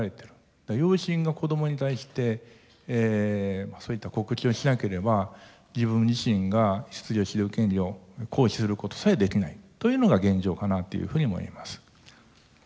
養親が子どもに対してそういった告知をしなければ自分自身が出自を知る権利を行使することさえできないというのが現状かなというふうに思います。